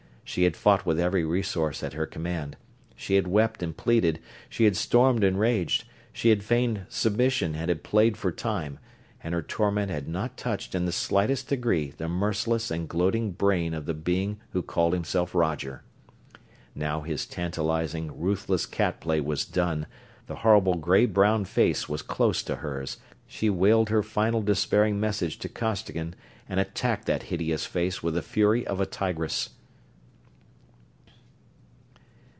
She had fought with every resource at her command. She had wept and pleaded, she had stormed and raged, she had feigned submission and had played for time and her torment had not touched in the slightest degree the merciless and gloating brain of the being who called himself Roger. Now his tantalizing, ruthless cat play was done, the horrible gray brown face was close to hers she wailed her final despairing message to Costigan and attacked that hideous face with the fury of a tigress.